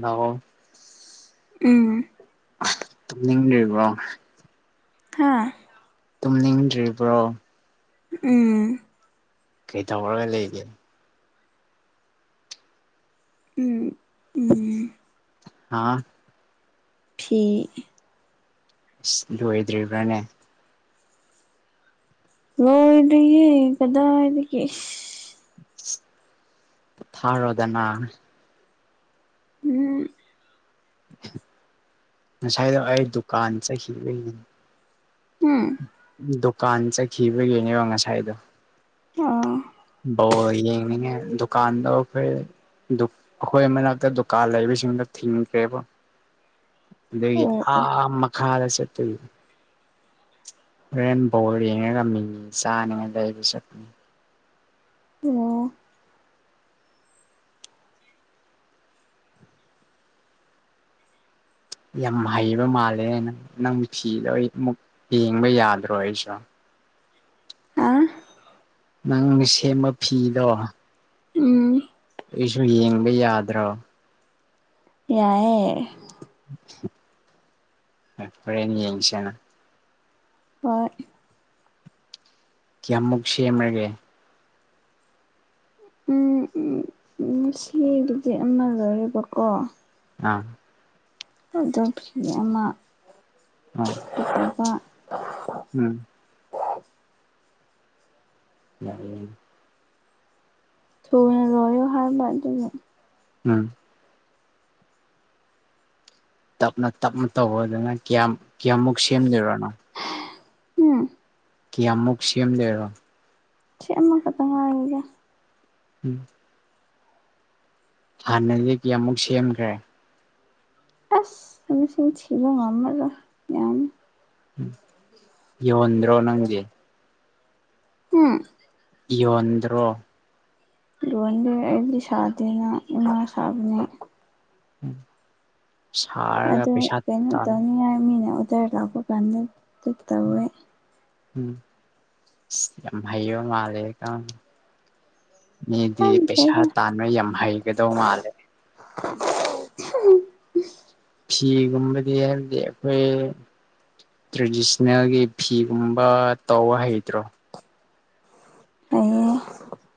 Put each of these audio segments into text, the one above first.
ꯅꯑꯣ ꯎꯝ ꯇꯨꯝꯅꯤꯡꯗꯔ꯭ꯤꯕꯣ ꯍꯥꯥ ꯇꯨꯝꯅꯤꯡꯗ꯭ꯔꯤꯕ꯭ꯔꯣ ꯎꯝ ꯀꯩ ꯇꯧꯔ꯭ ꯂꯩꯒꯦ ꯎꯝ ꯎꯝ ꯍꯥꯥ ꯐꯤ ꯑꯁ ꯂꯣꯏꯗ꯭ꯔꯤꯕ꯭ꯔꯥꯅꯦ ꯂꯣꯏꯗꯔ꯭ꯤꯌꯦ ꯀꯗꯥꯏꯗꯒꯤ ꯏꯁ ꯄꯣꯊꯥꯔꯣꯗꯅ ꯎꯝ ꯉꯁꯥꯏꯗꯣ ꯑꯩ ꯗꯨꯀꯥꯟ ꯆꯠꯈꯤꯕꯩꯅꯦ ꯎꯝ ꯗꯨꯀꯥꯟ ꯆꯠꯈꯤꯕꯒꯤꯅꯦꯕ ꯉꯁꯥꯏꯗꯣ ꯑ ꯕꯥꯜꯂ ꯌꯦꯡꯅꯤꯡꯒꯦ ꯗꯨꯀꯥꯟꯗ ꯐꯔ ꯗꯨ ꯑꯩꯈꯣꯏ ꯃꯅꯥꯛꯇ ꯗꯨꯀꯥꯟ ꯂꯩꯕꯁꯤꯡꯗꯣ ꯊꯤꯡꯗ꯭ꯔꯦꯕ ꯑꯗꯨꯒꯤ ꯑꯣ ꯑꯣ ꯑꯥ ꯃꯈꯥꯗ ꯆꯠꯇꯣꯏ ꯔꯦꯟꯕꯣꯜ ꯌꯦꯡꯉ ꯉꯝꯃꯤꯉꯤ ꯆꯥꯅꯤꯉ ꯂꯩ ꯁꯅꯤ ꯑꯣ ꯌꯥꯝ ꯍꯩꯕ ꯃꯥꯜꯂꯦ ꯅꯪ ꯅꯪ ꯐꯤꯗꯣ ꯑꯩ ꯑꯃꯨꯛ ꯌꯦꯡꯕ ꯌꯥꯗ꯭ꯔꯣ ꯑꯩꯁꯨ ꯍꯥ ꯅꯪ ꯁꯦꯝꯕ ꯐꯤꯗꯣ ꯎꯝ ꯑꯩꯁꯨ ꯌꯦꯡꯕ ꯌꯥꯗ꯭ꯔꯣ ꯌꯥꯏꯌꯦ ꯍꯣꯔꯦꯟ ꯌꯦꯡꯁꯦꯅ ꯍꯣꯏ ꯀꯌꯃꯨꯛ ꯁꯦꯝꯃꯒꯦ ꯉꯁꯤꯗꯨꯗꯤ ꯑꯃ ꯂꯧꯔꯦꯕꯀꯣ ꯑꯥ ꯑꯗꯨꯗ ꯐꯤ ꯑꯃ ꯑꯥ ꯄꯠꯇ ꯎꯝ ꯎ ꯊꯨꯅꯥ ꯂꯣꯏꯌꯣ ꯍꯥꯏꯕꯥ ꯑꯗꯨꯒꯤ ꯎꯝ ꯇꯞꯅ ꯇꯞꯅ ꯇꯧꯕꯗꯨꯅ ꯀꯌꯥꯝ ꯀꯌꯥꯃꯨꯛ ꯁꯦꯝꯗꯣꯏꯅꯣ ꯎꯝ ꯀꯤꯌꯥꯃꯨꯛ ꯁꯦꯝꯗꯣꯏꯔꯣ ꯁꯤ ꯑꯃꯥ ꯈꯛꯇꯥ ꯉꯥꯏꯔꯦꯗꯥ ꯎꯝ ꯍꯥꯟꯅꯗꯒꯤ ꯑꯃꯨꯛ ꯁꯦꯝꯈ꯭ꯔꯦ ꯑꯁ ꯁꯁꯤ ꯊ ꯑꯃꯔ ꯌꯥꯝ ꯌꯣꯟꯗꯔꯣ ꯅꯪꯗꯤ ꯎꯝ ꯌꯣꯟꯗ꯭ꯔ ꯂꯣꯟꯗꯤ ꯑꯩꯗꯤ ꯁꯥꯗꯦꯅ ꯏꯃꯥ ꯁꯥꯕꯅꯦ ꯎꯝ ꯑꯗꯨ ꯀꯩꯅꯣ ꯇꯧꯅꯤꯡꯉꯥꯏ ꯃꯤꯅ ꯑꯣꯗꯔ ꯂꯥꯛꯄ ꯀꯥꯟꯗ ꯇꯧꯋꯦ ꯎꯝꯃꯣ ꯃꯥꯂ ꯀ ꯃꯤꯗꯤ ꯄꯩꯁꯥ ꯈꯪꯗ꯭ꯔꯦꯗ ꯇꯥꯟꯕ ꯌꯥꯝ ꯍꯩꯒꯗꯧ ꯃꯥꯜꯂꯦ [unintelligible] ꯐꯤꯒꯨꯝꯕꯗꯤ ꯍꯥꯏꯗꯤ ꯑꯩꯈꯣꯏ ꯇ꯭ꯔꯦꯗꯤꯁꯅꯦꯜꯒꯤ ꯐꯤꯒꯨꯝꯕ ꯇꯧꯕ ꯍꯩꯇ꯭ꯔꯣ ꯑꯩ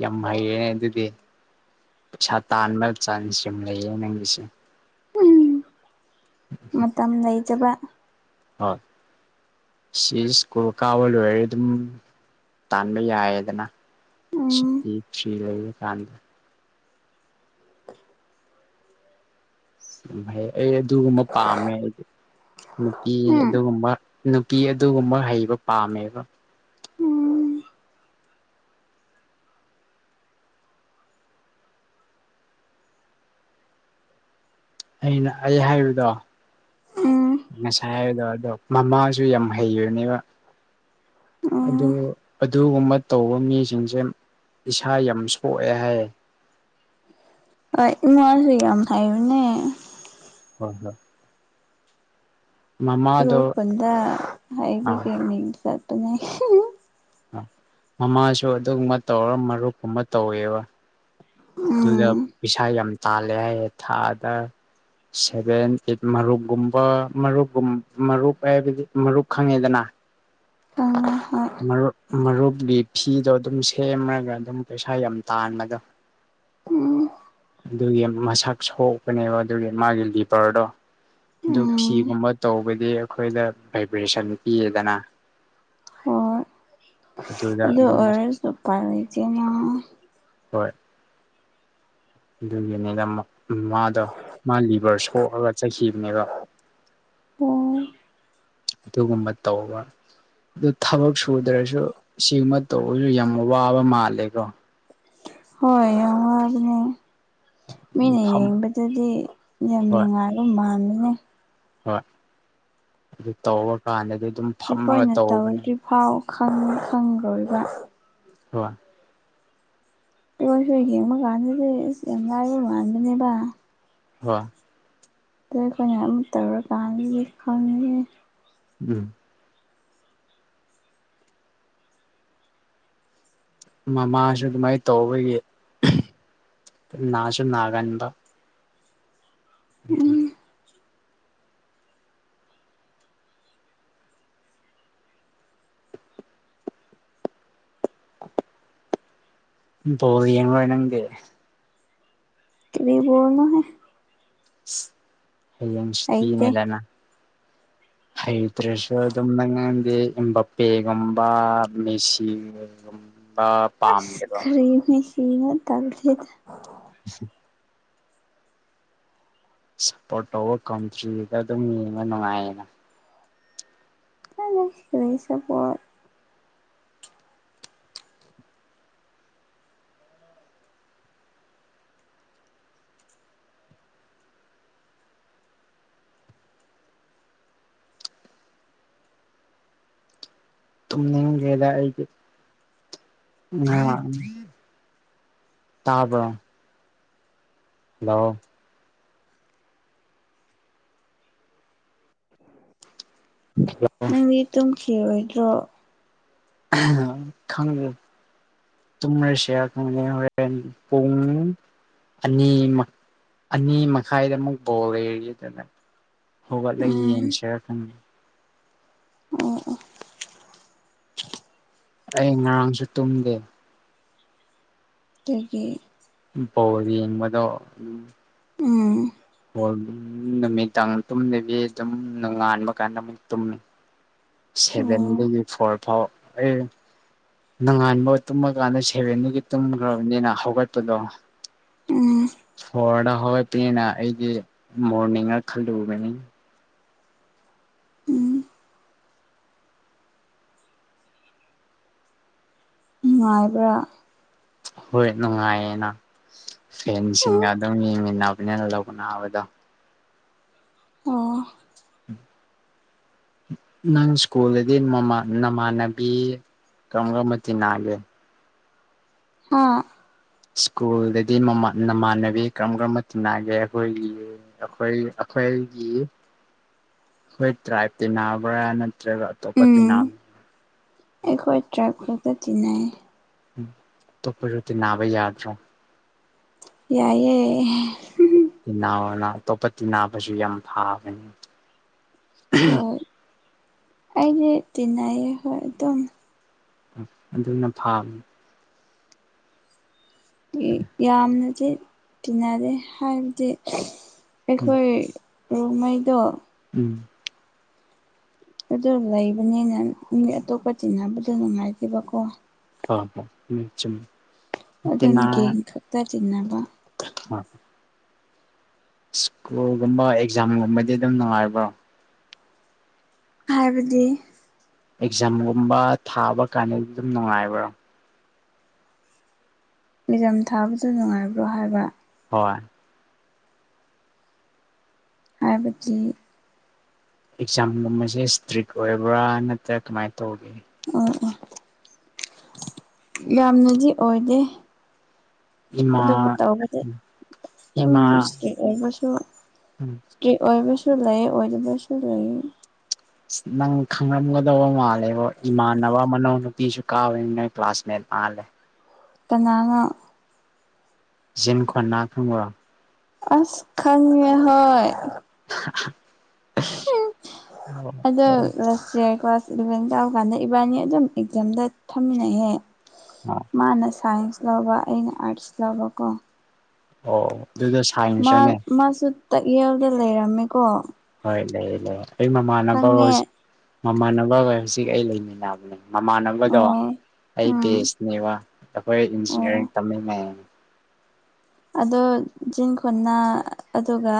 ꯌꯥꯝ ꯍꯩꯅꯦ ꯑꯗꯨꯗꯤ ꯄꯩꯁꯥ ꯇꯥꯟꯕ ꯆꯥꯡꯁ ꯌꯥꯝꯨꯝ ꯂꯩꯌꯦ ꯅꯪꯒꯤꯁꯦ ꯎꯝ ꯃꯇꯝ ꯂꯩꯖꯕ ꯍꯣꯏ ꯁꯤꯁ ꯀꯨꯜ ꯀꯥꯕꯜ ꯑꯣꯏꯗꯝ ꯇꯥꯟꯃꯑꯗꯅ ꯎꯝ ꯁꯤ ꯂꯩ ꯀꯥꯟꯗ ꯎ ꯑꯩ ꯑꯗꯨꯒꯨꯝꯕ ꯄꯥꯝꯃꯦ ꯑꯩꯗꯤ ꯅꯨꯄꯤ ꯎꯝ ꯑꯗꯨꯒꯨꯝꯕ ꯅꯨꯄꯤ ꯑꯗꯨꯒꯨꯝꯕ ꯍꯩꯕ ꯄꯥꯝꯃꯦꯕ ꯎꯝ ꯑꯩꯅ ꯑꯩ ꯍꯥꯏꯕꯗꯣ ꯎꯝ ꯉꯁꯥꯏ ꯍꯥꯏꯕꯗꯣ ꯑꯗꯣ ꯃꯃꯥꯁꯨ ꯌꯥꯝ ꯍꯩꯕꯅꯦꯕ ꯑꯗꯨ ꯎꯝ ꯑꯗꯨꯒꯨꯝꯕ ꯇꯧꯕ ꯃꯤꯁꯤꯡꯁꯦ ꯏꯁꯥ ꯌꯥꯝ ꯁꯣꯛꯑꯦ ꯍꯥꯏ ꯑ ꯏꯃꯁꯨ ꯌꯥꯝ ꯍꯩꯕꯥꯅꯦ ꯍꯣꯏ ꯍꯣꯏ ꯇ ꯃꯃꯥꯗꯣ ꯐꯟꯗ ꯑꯥ ꯍꯥꯏꯕꯒ ꯆꯇ ꯃꯃꯥꯁꯨ ꯑꯗꯨꯒꯨꯝꯕ ꯇꯧꯔ ꯃꯔꯨꯞꯀꯨꯝꯕ ꯇꯧꯋꯦꯕ ꯑꯗꯨꯗ ꯎꯝ ꯄꯩꯁꯥ ꯌꯥꯝ ꯇꯥꯜꯂꯦ ꯍꯥꯏ ꯊꯥꯗ ꯁꯚꯦꯟ ꯑꯩꯠ ꯃꯔꯨꯞꯀꯨꯝꯕ ꯃꯔꯨꯞꯨꯝ ꯃꯔꯨꯞ ꯍꯥꯏꯕꯗꯤ ꯃꯔꯨꯞ ꯈꯪꯉꯦꯗꯅ ꯈꯪꯉꯦ ꯍꯣꯏ ꯃꯔꯨꯞ ꯃꯔꯨꯞꯀꯤ ꯐꯤꯗꯣ ꯑꯗꯨꯝ ꯁꯦꯝꯃꯒ ꯑꯗꯨꯝ ꯄꯩꯁꯥ ꯌꯥꯝ ꯇꯥꯟꯕꯗꯣ ꯎꯝ ꯑꯗꯨꯒꯤ ꯃꯁꯛ ꯁꯣꯛꯄꯅꯦꯕ ꯑꯗꯨꯒꯤ ꯃꯥꯒꯤ ꯂꯤꯄꯔꯗꯣ ꯑꯗꯨ ꯎꯝ ꯐꯤꯒꯨꯝꯕ ꯇꯧꯕꯗꯤ ꯑꯩꯈꯣꯏꯗ ꯚꯥꯏꯕ꯭ꯔꯦꯁꯟ ꯄꯤꯌꯦꯗꯅ [unintelligible] ꯑꯗꯨꯗ ꯑꯗꯨꯗꯣ ꯑꯗꯨꯝ ꯑꯣꯏꯔꯁꯨ ꯄꯔꯗꯦꯅ ꯍꯣꯏ ꯑꯗꯨꯒꯤꯅꯤꯅ ꯃꯥꯗꯣ ꯃꯥ ꯂꯤ ꯔ ꯁꯣꯛꯑꯒ ꯆꯠꯈꯤꯕꯅꯦꯕ ꯑꯣ ꯑꯗꯨꯒꯨꯝꯕ ꯇꯧꯕ ꯑꯗꯨ ꯊꯕꯛ ꯁꯨꯗ꯭ꯔꯁꯨ ꯁꯤꯒꯃ ꯇꯧꯕꯁꯨ ꯌꯥꯝ ꯋꯥꯕ ꯃꯥꯜꯂꯦꯀꯣ ꯍꯣꯏ ꯌꯥꯝ ꯋꯥꯕꯅꯦ ꯃꯤꯅ ꯐꯝ ꯌꯦꯡꯕꯗꯗꯤ ꯌꯥꯝ ꯍꯣꯏ ꯅꯨꯡꯉꯥꯏꯕ ꯃꯅꯦ ꯍꯣꯏ ꯑꯗꯨ ꯇꯧꯑ ꯀꯥꯟꯗꯗꯤ ꯑꯗꯨꯝ ꯐꯝꯃꯒ ꯑꯩꯈꯣꯏꯅ ꯇꯧꯕꯅꯤ ꯇꯧꯗ꯭ꯔꯤ ꯐꯥꯎ ꯈꯪꯗꯣꯣꯏꯕ ꯍ ꯄꯣꯏꯁꯨ ꯌꯦꯡꯕ ꯀꯥꯟꯗꯗꯤ ꯑꯁ ꯌꯥꯝ ꯂꯥꯏꯔ ꯃꯥꯟꯕꯅꯦꯕ ꯍ ꯑ ꯑꯩꯈꯣꯏꯅ ꯑꯗꯨꯝ ꯇꯧꯔ ꯀꯥꯟ ꯈꯪꯉꯦ ꯎꯝ ꯃꯃꯥꯁꯨ ꯑꯗꯨꯃꯥꯏꯅ ꯇꯧꯕꯒꯤ ꯅꯥꯖꯅꯅꯥꯒꯥꯟꯗ ꯑꯗꯨꯇ ꯎꯝ ꯇꯣ ꯌꯦꯡꯉꯣꯏ ꯅꯪꯗꯤꯦ ꯑꯗꯨꯕꯨꯣꯅꯣ ꯍꯥꯏꯦ ꯍꯌꯦꯡ ꯍꯩꯇꯦ ꯁꯨꯇꯤꯅꯦꯗꯅ ꯍꯩꯗ꯭ꯔꯦꯁꯨꯑꯗꯝꯗꯗꯤ ꯏꯝꯕꯄꯦꯒꯨꯝ ꯃꯦꯁꯤ ꯄꯝꯗꯕ ꯀꯔꯤꯅꯣ ꯇꯥꯡꯈꯔꯦꯗ [unintelligible] ꯁꯞꯄꯣꯔꯠ ꯇꯧꯕ ꯀꯟꯇ꯭ꯔꯤꯗ ꯑꯗꯨꯝ ꯌꯦꯡꯕ ꯅꯨꯡꯉꯥꯏꯌꯦꯅ [unintelligible] ꯇꯨꯅꯤꯡꯈꯔꯦꯗ ꯑꯩꯗꯤ ꯇꯥꯕꯔꯣ ꯍꯜꯔꯣ ꯅꯪꯗꯤ ꯇꯨꯝꯈꯤꯔꯣꯏꯗ꯭ꯔꯣ ꯈꯪꯗꯦ ꯇꯨꯔꯁꯦ [unintelligible] ꯍꯔꯦꯟ ꯄꯨꯡ ꯑꯅꯤ ꯑꯅꯤ ꯃꯈꯥꯏꯗ ꯑꯃꯨꯛ ꯕꯣꯜ ꯂꯩꯌꯦꯗꯅ ꯍꯣꯒꯠꯂ ꯎꯝ ꯌꯦꯡꯁꯤꯔ ꯈꯪꯗꯦ ꯑꯣ ꯑꯣ ꯑꯩ ꯉꯔꯥꯡꯁꯨ ꯇꯨꯝꯗꯦ ꯇꯒꯤ ꯕꯣꯜ ꯌꯦꯡꯕꯗꯣ ꯎꯝ ꯕꯣꯜ ꯅꯨꯃꯤꯗꯥꯡ ꯇꯨꯝꯗꯕꯤ ꯑꯗꯨꯝ ꯉꯥꯟꯕ ꯀꯥꯟꯗ ꯑꯃꯨꯛ ꯇꯨꯝꯃꯤ ꯑꯣ ꯁꯚꯦꯟꯗꯒꯤ ꯐꯣꯔ ꯐꯥꯎ ꯅꯪꯉꯥꯟꯕ ꯇꯨꯝꯃꯀꯥꯟꯗ ꯁꯦꯔꯦꯟꯗꯒꯤ ꯇꯨꯝꯈ꯭ꯔꯕꯅꯤꯅ ꯍꯧꯒꯠꯄꯗꯣ ꯎꯝ ꯍꯣꯔꯗ ꯍꯧꯔꯛꯄꯅꯤꯅ ꯑꯩꯗꯤ ꯃꯣꯔꯅꯤꯡꯔ ꯈꯜꯂꯨꯕꯅꯤ ꯎꯝ ꯅꯨꯡꯉꯥꯏꯕ꯭ꯔꯥ ꯍꯣꯏ ꯅꯨꯡꯉꯥꯏꯌꯦꯅ ꯐꯦꯟꯁꯤꯡꯒ ꯑꯗꯨꯝ ꯌꯦꯡꯃꯤꯟꯅꯕꯅꯤꯅ ꯂꯧꯅꯕꯗꯣ ꯑꯣ ꯅꯪ ꯁ꯭ꯀꯨꯜꯗꯗꯤ ꯅꯃꯥꯟꯅꯕꯤ ꯀꯒꯃꯗꯤ ꯅꯜꯂꯦ ꯍꯥꯥ ꯁ꯭ꯀꯨꯜꯗꯗꯤ ꯃꯃꯥꯟꯅꯕꯤ ꯀꯔꯝ ꯀꯔꯝꯕ ꯇꯤꯟꯅꯒꯦ ꯑꯩꯈꯣꯏꯒꯤ ꯑꯩꯈꯣꯏ ꯀꯩꯒꯤ ꯍꯣꯏ ꯇ꯭ꯔꯥꯏꯞ ꯇꯤꯟꯅꯕ꯭ꯔꯥ ꯅꯠꯇ꯭ꯔꯒ ꯑꯇꯣꯞꯄ ꯎꯝ ꯇꯅꯥꯝ ꯑꯩꯈꯣꯏ ꯇꯔꯞ ꯈꯛꯇ ꯇꯤꯅꯩ ꯑꯇꯣꯞꯄꯁꯨ ꯇꯤꯅꯥꯕ ꯌꯥꯗ꯭ꯔꯣ ꯌꯥꯏꯌꯦ ꯇꯤꯅꯧꯅ ꯑꯇꯣꯞꯄ ꯇꯤꯅꯥꯕꯁꯨ ꯌꯥꯝ ꯐꯥꯕꯅꯤ ꯍꯣꯏ ꯑꯩꯗꯤ ꯇꯤꯟꯅ ꯍꯣꯏ ꯑꯗꯨꯝ ꯑꯗꯨꯅ ꯐꯥꯕꯅꯤ ꯌꯥꯝꯅꯗꯤ ꯇꯤꯟꯅꯔꯦ ꯍꯥꯏꯕꯗꯤ ꯎꯝ ꯑꯩꯈꯣꯏ ꯔꯨꯝꯍꯩꯗꯣ ꯎꯝ ꯑꯗꯨ ꯂꯩꯕꯅꯤꯅ ꯃꯤ ꯑꯇꯣꯞꯄ ꯇꯤꯟꯅꯕꯗꯣ ꯅꯨꯡꯉꯥꯏꯇꯦꯕꯀꯣ ꯍꯣꯏ ꯍꯣꯏ ꯆꯨꯝꯃꯤ ꯑꯗꯨꯝ ꯇꯤꯅ ꯒꯦꯡ ꯈꯛꯇ ꯆꯤꯟꯅꯕ [unintelligible] ꯁ꯭ꯀꯨꯜꯒꯨꯝꯕ ꯑꯦꯛꯖꯥꯝꯒꯨꯝꯕꯗꯤ ꯑꯗꯨꯝ ꯅꯨꯡꯉꯥꯏꯕ꯭ꯔꯣ ꯍꯥꯏꯕꯗꯤ ꯑꯦꯛꯖꯥꯝꯒꯨꯝꯕ ꯊꯥꯕ ꯀꯥꯟꯗꯗꯤ ꯑꯗꯨꯝ ꯅꯨꯡꯉꯥꯏꯕ꯭ꯔꯣ ꯑꯦꯛꯖꯝ ꯊꯥꯕꯗ ꯅꯨꯡꯉꯥꯏꯕ꯭ꯔꯣ ꯍꯥꯏꯕ ꯍꯣꯏ ꯍꯥꯏꯕꯆꯤ ꯑꯦꯛꯖꯥꯝꯒꯨꯝꯕꯁꯦ ꯏꯁꯇ꯭ꯔꯤꯛ ꯑꯣꯏꯔꯕ꯭ꯔꯥ ꯅꯠꯇ꯭ꯔꯥ ꯀꯃꯥꯏꯅ ꯇꯧꯒꯦ ꯑꯣ ꯑꯣ ꯌꯥꯝꯅꯗꯤ ꯑꯣꯏꯗꯦ ꯏꯃ ꯎ ꯏꯁꯇꯔꯤ ꯑꯣꯏꯕꯁꯨ ꯎꯝ ꯏꯁꯇꯔꯤ ꯑꯣꯏꯕꯁꯨ ꯁꯨ ꯂꯩꯦ ꯑꯣꯖꯕꯁꯨ ꯂꯩꯏꯦ ꯅꯪ ꯈꯪꯂꯝꯝꯒꯗꯕ ꯃꯥꯜꯂꯦꯕ ꯏꯃꯥꯟꯅꯕ ꯃꯅꯥꯎꯅꯨꯄꯤꯁꯨ ꯀꯥꯋꯦ ꯅꯪ ꯀ꯭ꯂꯥꯁꯃꯦꯦꯠ ꯑꯂꯦ ꯏ ꯅꯅ ꯖꯤꯟ ꯈꯣꯟꯅꯥ ꯊꯪꯣ ꯑꯁ ꯈꯪꯉꯦ ꯍꯣꯏ [inaudible] ꯑꯗ ꯑꯣ ꯔꯁꯤ ꯀ꯭ꯂ ꯏꯂꯚꯦꯟ ꯇꯧꯔꯀꯥꯟꯗ ꯏꯕꯥꯅꯤ ꯑꯗꯨꯝ ꯑꯦꯛꯖꯥꯝꯗ ꯊꯝꯃꯤꯟꯅꯩꯍꯦ ꯃꯥꯅ ꯁꯥꯏꯟꯁ ꯂ ꯏꯩꯅ ꯑꯔꯠꯁ ꯂ ꯀꯣ ꯑꯣ ꯑꯗꯨꯗꯣ ꯁꯥꯏꯟꯁꯔꯅꯦ ꯃꯥꯁꯨ ꯇꯥꯛꯌꯦꯜꯗ ꯂꯩꯔꯝꯃꯦ ꯍꯣꯏ ꯂꯩꯦ ꯂꯩꯦ ꯑꯩ ꯃꯃꯥꯟꯅꯕꯔꯣ ꯈꯪꯉꯦ ꯍꯧꯖꯤꯛ ꯃꯃꯥꯟꯅꯕꯔꯣꯏ ꯍꯧꯖꯤꯛ ꯑꯩ ꯂꯩꯃꯤꯟꯅꯕꯅꯦ ꯃꯃꯥꯟꯅꯕꯗꯣ ꯑꯣ ꯑꯩ ꯎꯝ ꯕꯤꯁꯅꯦꯕ ꯑꯩꯈꯣꯏ ꯑꯣ ꯏꯟꯖꯤꯅꯤꯌꯥꯔꯤꯡ ꯇꯝꯃꯤꯉꯩ ꯑꯗꯣ ꯖꯤꯟ ꯈꯨꯅ ꯑꯗꯨꯒ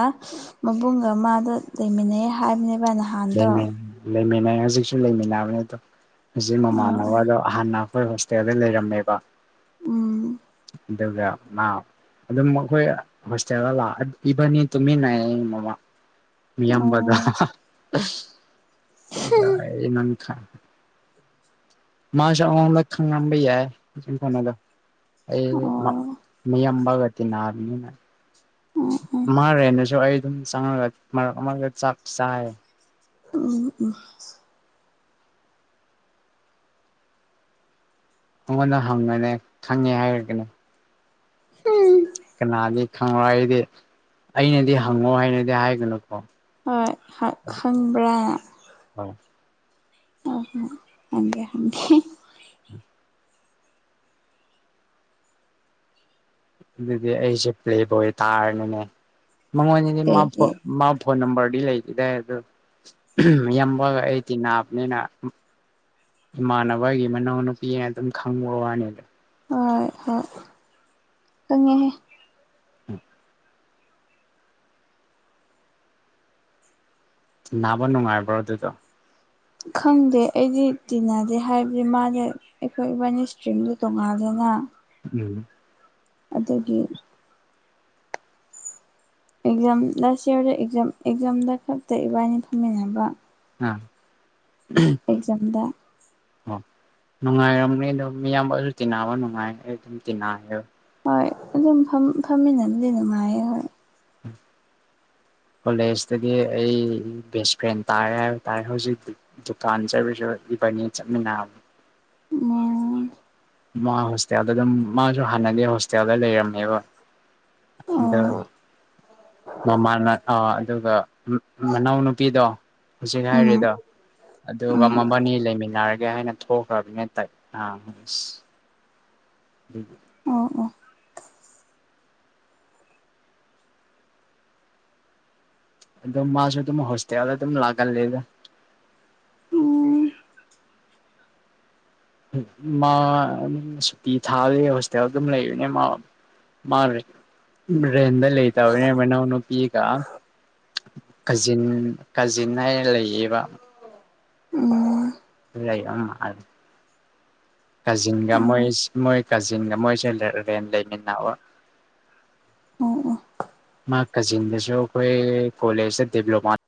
ꯃꯕꯨꯡꯒ ꯃꯥꯗ ꯂꯩꯃꯤꯟꯅꯩ ꯍꯥꯏꯕꯅꯦꯕ ꯅꯍꯥꯟꯗꯣ ꯂꯩꯃꯤꯟ ꯂꯩꯃꯤꯟꯅꯩ ꯍꯧꯖꯤꯛꯁꯨ ꯂꯩꯃꯤꯟꯅꯕꯅꯤ ꯑꯗꯣ ꯍꯧꯖꯤꯛ ꯑ ꯑꯣ ꯃꯃꯥꯟꯅꯕꯗꯣ ꯍꯥꯟꯅ ꯑꯩꯈꯣꯏ ꯍꯣꯁꯇꯦꯜꯗ ꯂꯩꯔꯝꯃꯦꯕ ꯎꯝ ꯑꯗꯨꯒꯗꯨ ꯃꯥ ꯑꯗꯨꯝ ꯑꯩꯈꯣꯏ ꯍꯣꯁꯇꯦꯜꯗ ꯂ ꯏꯕꯅꯤ ꯇꯨꯃꯤꯟꯅꯩ ꯑꯩ ꯃꯃꯥ ꯃꯤ ꯑꯝꯕꯒ ꯑꯣ ꯅꯪ ꯈ ꯃꯥꯁ ꯂ ꯈꯪ ꯉꯝꯕꯩ ꯌꯥ ꯐꯅꯥꯗ ꯑꯩ ꯑꯣ ꯃꯤ ꯑꯝꯕꯒꯇꯅꯔꯅꯤꯅ ꯎꯝ ꯎꯝ ꯃꯥꯔꯦꯅꯁꯨ ꯑꯩ ꯑꯗꯨꯝ ꯆꯪꯉꯒꯒ ꯆꯥꯛ ꯆꯥꯏ ꯎꯝ ꯎꯝ ꯑꯩꯉꯣꯟꯗ ꯍꯪꯒꯅꯦ ꯈꯪꯉꯦ ꯍꯥꯏꯔꯒꯅꯦ ꯎꯝ ꯀꯅꯥꯗꯤ ꯈꯪꯉꯣ ꯑꯩꯗꯤ ꯑꯩꯅꯗꯤ ꯍꯪꯉꯣ ꯍꯥꯏꯅꯗꯤ ꯍꯥꯏꯒꯅꯨ ꯍꯣꯏ ꯈꯪꯕ꯭ꯔꯥꯅ ꯍꯣꯏ ꯑ ꯍ ꯗꯤ ꯑꯩꯁꯦ ꯄ꯭ꯂꯦꯕ ꯑꯣꯏ ꯇꯥꯔꯅꯤꯅꯦ ꯃꯉꯣꯟꯗꯤ ꯃꯥꯣꯟ ꯀꯩꯒꯤ ꯃꯥ ꯐꯣꯟ ꯅꯝꯕꯔ ꯂꯩꯈꯤꯗꯏ ꯑꯗ ꯌꯥꯝꯝꯕꯒ ꯑꯩꯗꯤꯤ ꯅꯥꯕꯅꯤꯅ ꯏꯃꯥꯟꯅꯕꯒꯤ ꯃꯅꯥꯎꯅꯨꯄꯤꯅ ꯑꯗꯨꯝ ꯈꯪꯕ ꯋꯥꯅꯤꯗ ꯍꯣꯏ ꯍꯣꯏ ꯆꯪꯉꯦꯍꯦ ꯎꯝ ꯅꯥꯕ ꯅꯨꯡꯉꯥꯏꯕ꯭ꯔꯣ ꯑꯗꯨꯗꯣ ꯈꯪꯗꯦ ꯑꯩꯗꯤ ꯇꯤꯟꯅꯗꯦ ꯍꯥꯏꯕꯗꯤ ꯃꯥꯗꯤ ꯑꯩꯈꯣꯏ ꯏꯕꯥꯏꯅꯤ ꯏꯁꯇ꯭ꯔꯤꯝꯗ ꯇꯣꯡꯉꯥꯟꯗꯅ ꯎꯝ ꯑꯗꯨꯒꯤ ꯑꯦꯛꯖꯥꯝ ꯂꯥꯁ ꯏꯌꯥꯔꯗꯝ ꯑꯦꯛꯖꯥꯝꯗ ꯈꯛꯇ ꯏꯕꯥꯏꯅꯤ ꯐꯝꯃꯤꯟꯅꯕ ꯎꯝ ꯑꯦꯛꯖꯝꯗ ꯑꯣ ꯅꯨꯡꯉꯥꯏꯔꯝꯅꯤ ꯑꯣ ꯃꯤꯌꯥꯝꯕꯁꯨ ꯇꯤꯟꯅꯕ ꯅꯨꯡꯉꯥꯏ ꯑꯩ ꯑꯗꯨꯝ ꯇꯤꯟꯅ ꯍꯣꯏ ꯑꯗꯨꯝ ꯐꯝꯃꯤꯟꯅꯕꯗꯤ ꯅꯨꯡꯉꯥꯏꯌꯦ ꯍꯣꯏ ꯎꯝ ꯀꯣꯂꯦꯖꯇꯗꯤ ꯑꯩ ꯕꯦꯁ ꯐ꯭ꯔꯦꯟ ꯇꯥꯔꯦ ꯍꯥꯏꯕ ꯇꯥꯏꯔꯦ ꯍꯧꯖꯤꯛ ꯗꯨꯀꯥꯟ ꯆꯠꯔꯤꯁꯨ ꯏꯕꯅꯤ ꯆꯃꯤꯟꯅ ꯎꯝ ꯃꯥ ꯍꯣꯁꯇꯦꯜꯗ ꯑꯗꯨꯝ ꯃꯥꯁꯨ ꯍꯥꯟꯅꯗꯤ ꯍꯣꯁꯇꯦꯜꯗ ꯂꯩꯔꯝꯅꯦꯕ ꯑꯗ ꯑꯣ ꯃꯃꯥꯅ ꯑ ꯑꯗꯨꯒ ꯃꯅꯥꯎꯅ ꯅꯨꯄꯤꯗꯣ ꯍꯧꯖꯤꯛꯅ ꯎꯝ ꯍꯥꯏꯔꯤꯦꯗ ꯑꯗꯨꯒ ꯎꯝ ꯃꯃꯅꯤ ꯂꯩꯃꯤꯟꯅꯔꯒꯦ ꯍꯥꯏꯅ ꯊꯣꯛꯈ꯭ꯔꯕꯅꯤꯅ ꯇꯥꯏ ꯑ ꯎ ꯑꯣ ꯑꯣ ꯑꯗꯨ ꯃꯥꯁꯨ ꯇꯃ ꯍꯁꯇꯋꯥꯗ ꯂꯒ ꯂꯦꯗ ꯎꯝ ꯃꯥ ꯁꯨꯇꯤ ꯊꯥꯗ ꯍꯣꯁꯇꯦꯜ ꯑꯗꯨꯝ ꯂꯩꯕꯅꯦ ꯃꯥ ꯃꯥ ꯔꯦꯗ ꯂꯩꯦ ꯇ ꯍ ꯃꯅꯅ ꯄ ꯀꯖꯤꯟ ꯀꯖꯤꯟ ꯍꯥꯏꯅ ꯂꯩꯌꯦꯕ ꯑꯣ ꯂꯩꯣ ꯑ ꯑ ꯀꯥꯖꯤꯟꯒ ꯑꯣ ꯃꯣꯏ ꯃꯣꯏ ꯀꯥꯖꯤꯟꯒ ꯃꯣꯏꯁꯦ ꯔꯦꯟ ꯂꯩꯃꯤꯟꯅꯑꯣ [inaudible] ꯑꯣ ꯑꯣ ꯃꯥ ꯀꯖꯤꯗꯁꯨ ꯑꯩꯈꯣꯏ ꯀꯣꯂ ꯗꯤꯕ꯭ꯂꯣꯃꯥ